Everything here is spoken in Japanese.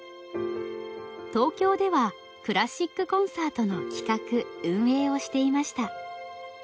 東京ではクラシックコンサートの企画・運営をしていました。